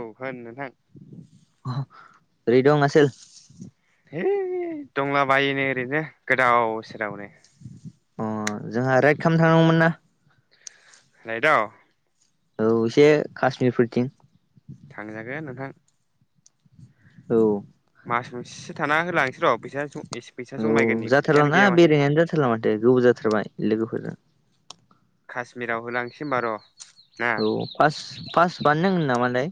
औ होन नोंथां। बोरै दं आसोल? है दंला बायो नै ओरैनो गोदाव सोरावनो। अ जोंहा राइड खामनो थांनांगौमोन ना। राइडाव? औ एसे काश्मिरफोरथिं। थांजागोन नोंथां। औ। मास मोनसे थाना होलांसै र' फैसा ज औ जाथारलाना बेरायनायानो जाथारला माथो गोबाव जाथारबाय लोगोफोरजों। कास्मिराव होलांसै होमबा र'। ना औ फास फास बानाय नांगोन नामालै?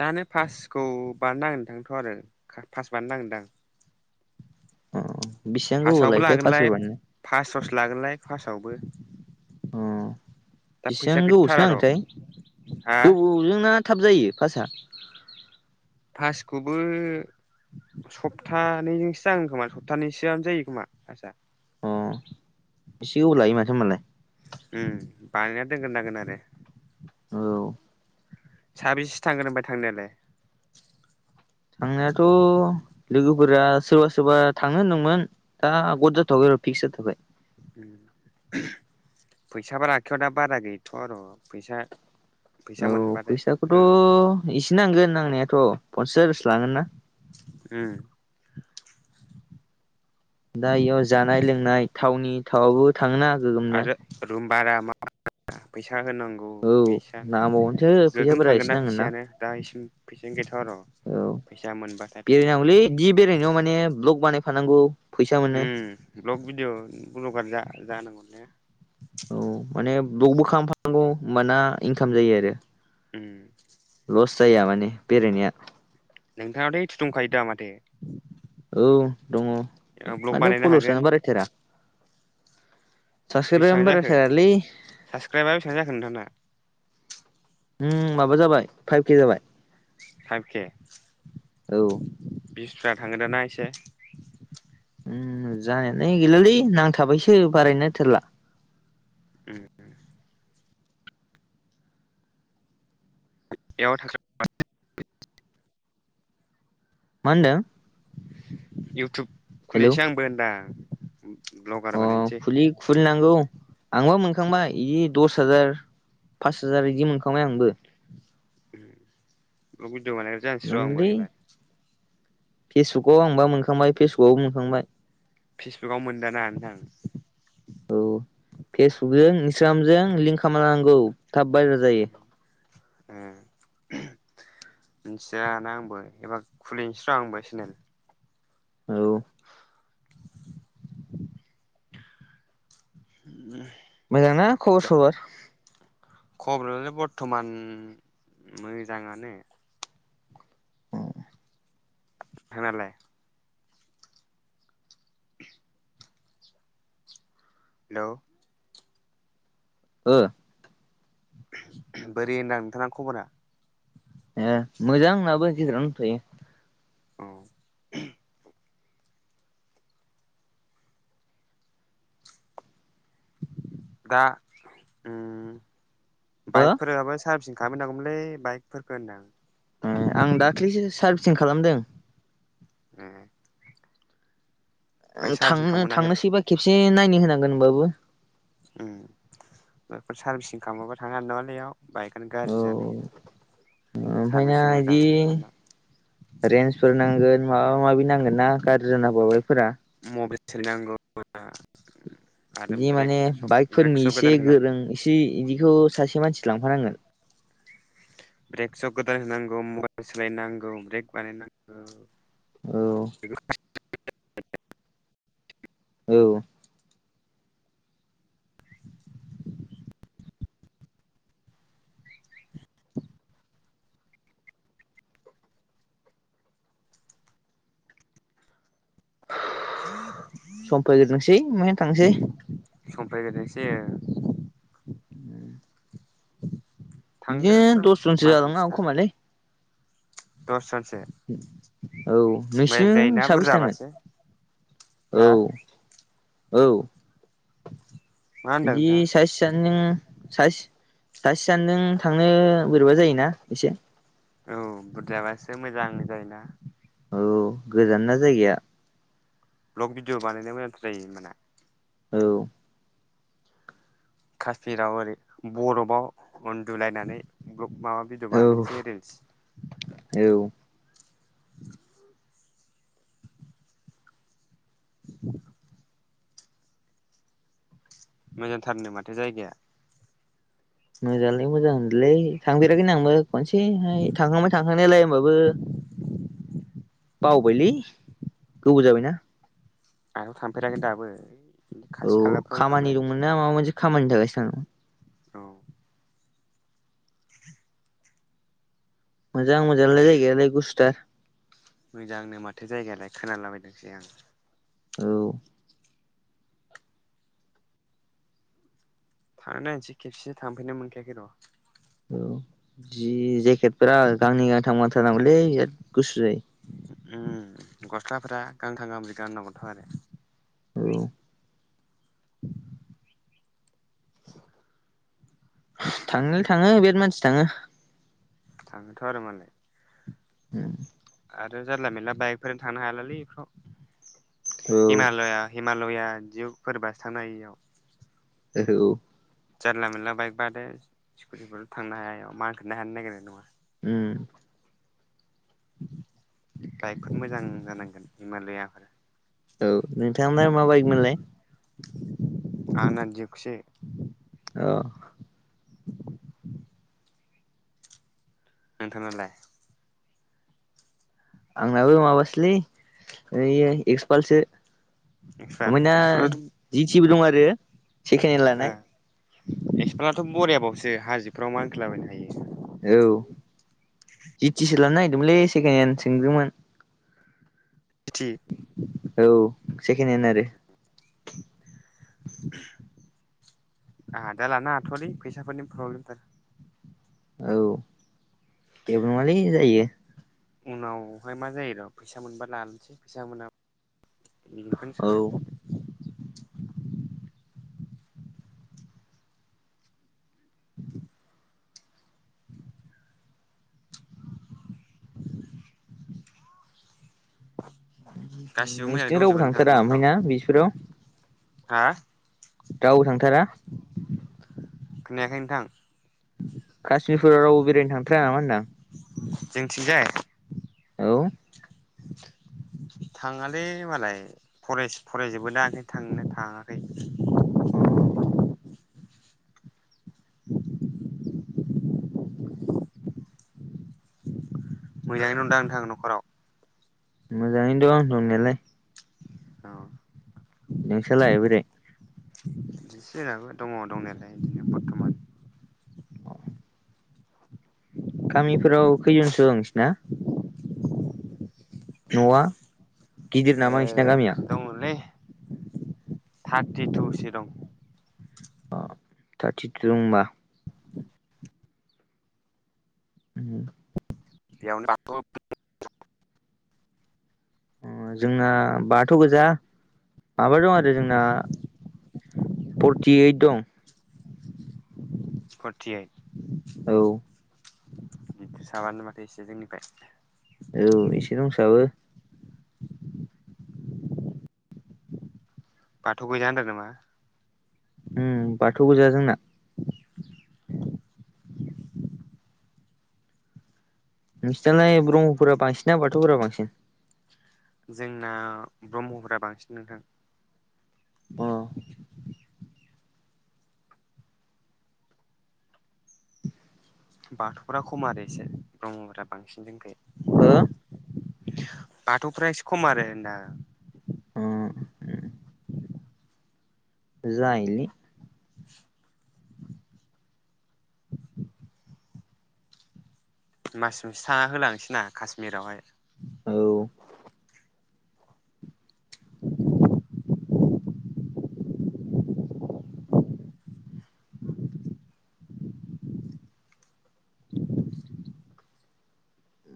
जानो फासखौ बानाय नांगोनदांथ' आरो फास बानाय नांगोनदां। अ। बेसेबां गोबाव फास्स्टआवबो लायोथाय पासफोर लागोनलाय बानायनो फास सस लागोनलाय फास्सआवबो। बिसिबां गोबावसो र' नांगोनथाय हा गोबावजोंना थाब जायो फासआ। फासिखौबो। सप्तानैजोंसो जागोन खोमा सप्तानैसोआनो जायो खोमा आचसा। अ एसे गोबाव लायो माथो होनबालाय। उम बायाथाखना आरो। औ। साबेसे थांगोन फ्राय थांनायालाय। थांनायाथ'। लोगोफोरा सोरबा सोरबा थाङनो होनदोंमोन दा गद जाथ'वबाय र' फिक्स जाथ'बाय। फैसााब आखायाव दा बारा गैथ' आरो' फैसा। फैसा औ मोनबाथाय होगोन फैसाखौथ' एसे नांगोन नांनायाथ' पन्सास। जांगोनना। दा इयाव जानाय लोंनाय थावनि थावआबो थ। आरो रुम बारा मा फैसा। फोथा होनांगौ औ फैसायानो नांबावगोनसो गोगोम फैसाफोरा थांगोन एसे ना नांगोन फैसायानो दा इसिम फैसायानि गोथां। औ बेरायनांगौलै बि बेरायनायाव माने ब्लक बानायफानांगौ। फैसा मोनो ब्लग भिडिअ' ब्लगार जानांगौ ने। गौ होनबाना इनकाम जायो आरो। उम। लस जाया माने बेरायनाया। नोंथाङााथ' थुदुंखायोदा माथे। औ दङ माथो बानायनो हागोन पलिउसानो बारायथेरा। [unintelligible] उम बेसेबां जाखो साबसक्राइबा बेसेबां जाखो नोंथांना माबा जाबाय फाइभ के जाबाय। सारके औ बिसफ्रा थाङो दाना एसे। उम जानायाल गैलालै नांथाबायसो बारायनो थेरला उम। [unintelligible] मा होनदों। इउटुब हेलौ खुलिसै आंबो होनदां। ब्लगार अ बानायनोसै खुलि खुलिनांगौ आंबो मोनखांबाय इ दस हाजार पास हाजार इदि मोनखांबाय आंबो। औ उइद्र बानायग्रा जानसै रं आंबो एबार। फेसबुकआव आंबा मोनखांबाय फेसबुकावबो मोनखांबाय। फेसबुकाव मोनदाना नोंथां। औ फेसबुकजों इन्सटाग्रामजों लिंक खालामना लानांगौ थाब भाइरेल जायो। ए। मिथियाना आंबो एबा खुलिनोसै र आंबो चेनेल। औ। [inaudible] मोजां ना खबर दा सबर। खबरालाय बरथमान मोजाङानो। थांयालाय। हेलौ। ओ। बोरै होनदां नोंथाङा खबरा। ए मोजां आंनाबो गेजेरावनो दंथयो। औ। दा ओम हो बाइकफोराबो सारभिसिं। आहाबो नागौमोनलै बाइकफोरखो होनदां ए आं दाख्लिसो सारभिसिं खालामदों ए ओ बाइक सार्भिसिं थांनो खालाममोनाखै थांनोसैबा खेबसे नायनो होनांगोन होनबाबो ओं बेफोर सारभिसिं खालामाबा थांनो हानाय नङालै बेयाव बाइकआनो गाज्रि जानो नागिरो [unintelligible] ओमफाय ना बिदि रेन्सफोर नांगोन माबा माबि नांगोन ना गाज्रि जाना होबा बाइकफोरा [unintelligible] बिदि ब्रेक माने सक ब्रेक बाइकफोरनि सक इसे गोदान होना गोरों इसे इदिखौ सासे मानसि लांफानांगोन ब्रेकसौ गोदान होनांगौ मबाइल सोलायनांगौ ब्रेक बानायनांगौ औ औ सम फैग्रोथोंसै ओफ्राय थांसै सम फैग्रोथोंसै ओ ओं [inaudible] थांगोन बिदिनो र' दस जनसो जालांनो हागौ खोमालै दस जन औ नोंसिनिजों जायोना साबेसे थांगोन बुरजाबासो औ हा औ मा होनदों बिदि नोंथाङा साइसे सानैजों साइस सासे सानैजों थांनो बोरैबा जायोना एसे औ बुरजाबासो मोजां जायोना औ गोजान ना जायगाया ब्लक भिडिअ बानायनो मोजांथार जायो होमबाना औ खासफिराव ओरै बरफआव उन्दुलायनानै माबा भिदिअ औ बानायसै रिल्स। औ [inaudible] मोजांथारनो माथो जायगाया। मोजाङालाय मोजांनोलै थांफेराखैना आंबो खनसेहाय थांखांबाय थांखांनायालाय होमबाबो बावबायलै गोबाव जाबायना। आंथ' थांफेराखैनो दाबो। खाथि औ खालाफ्रावल' थांबाय खामानि आरो एसे दंमोन ना माबा मोनसे खामानिनि थाखायसो थाङो। औ [inaudible] मोजां मोजाङालाय जायगायालाय गुसुथार मोजांनो माथो जायगायालाय खोनालाबायदोंसो आं औ थांनाय नायनोसै खेबसेसो थांफेरनो मोनखायाखै र' औ जि जेकेटफोरा गांनै गांथाम थारनांगौलै बिराद गुसु जायो उम गस्लाफोरा गांथाम गांब्रै गाननांगौथ' आरो औ थांनायालाय थाङो बेराद मानसि थाङो। थाङोथ' आरो मालाय [inaudible] आरो जारला मेरला बाइकफोरजों थांनो हालालै इफोराव औ हिमालया हिमालया दाउकफोरबासो थांनो हायो इयाव ओहो औ। जानला मोनला बाइक बाद हो स्कुटिफोरथ' थांनो हाया एयाव मानखोनोनो हानो नागेरनाय नङा। [inaudible] बाइकफोर मोजां जानांगोन हिमालयाफोर। औ नोंथांना मा बाकमोनलाय? आना दिउकसो। औ। नोंथांनालाय? आंनाबो माबासोलै ओइयो एक्सपालसो। एक्सपाल ओमबायना एक्सपालाथ' जिथिबो दं आरो सेकेन हेन ओ लानाय। एक्सपालाथ' बरियाबावसो हाजोफ्राव मानखोलाबायनो हायो। औ जितिसो लानो नागिरदोंमोनलै सेकेन हेन सोंहैदोंमोन। [unintelligible] सेखेन हेन आरो। [inaudible] आंहा दा लानो हाथ'आलै फैसाफोरनि फ्रब्लेमथार। औ एबो नङालै जायो। उनावहाय मा जायो र' फैसा मोनबा लानोसै फैसा मोना औ [unintelligible] गासिबो मोजाङै नोंसिथिं रावबो दंजोबो नोंथां थांथारा ओमफाय न'फ्राव ना बिसफोराव? हा? रावबो थांथारा? खोनायाखै नोंथां? खासमिरफोराव रावबो बेरायनो थांथारा नामा होनदां? जोंथिंजाय? औ। थाङालै मालाय फरायस-फरायजोबोना ओंखायनो थांनो थाङाखै। अह। मोजाङैनो दं दा नोंथां न'खराव मोजाङैनो दं दंनायालाय औ नोंस्रालाय बोरै बिदि जेंनाबो दङ दंनायालाय बिदिनो बरथमान औ गामिफोराव खैजनसो दं नोंसोरना न'आ गिदिर ओ नामा नोंसिना गामिया दङलै थार्टिटुसो दं अ थारटिथु दं होनबा उम एयाव [inaudible] ओ जोंना बाथौ गोजा माबा दं आरो जोंना फर्टिओइट दं फरटिओइट औ बे साबानो माथो एसे जोंनिफ्राय औ एसे दंसाबो बाथौगोजा होनदों नामा उम बाथौ गोजा जोंना नोंसिनालाय ब्रह्मफोरा बांसिनना बाथौफोरा बांसिन जोंना ब्रह्मफोरा बांसिन नोंथां अ बाथौफ्रा खम आरो इसे ब्रह्मफोरा बांसिन जोंखै हो? बाथौफोरा एसे खम आरो होनदां। अ जायोलै मास मोनसे थाना होलांसैना कश्मिरावहाय औ [unintelligible]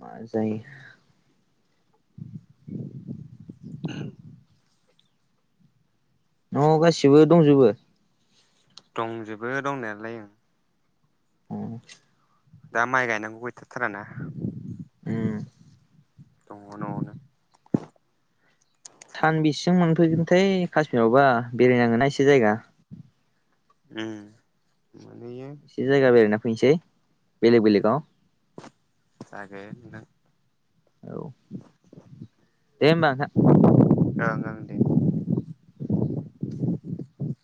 मा जायो न'आव गासिबो दंजोबो दंजोबो दंनायालाय ओं उम दा माइ गायनांगौ गैथ'थाराना उम दङ न'आवनो सानबेसेजों मोनफैगोनथाय कश्मिरावबा बेरायनांगोना एसे जायगा उम मोनहैयो एसे जायगा बेरायना फैनोसै बेलेग बेलेगाव जागोन नोंथां। औ दे होमबा नोंथां। ओं ओं दे।